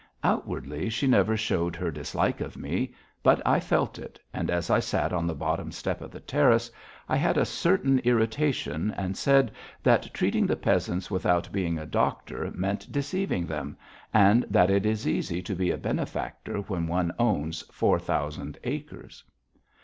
Outwardly she never showed her dislike of me, but I felt it, and, as I sat on the bottom step of the terrace, I had a certain irritation and said that treating the peasants without being a doctor meant deceiving them, and that it is easy to be a benefactor when one owns four thousand acres.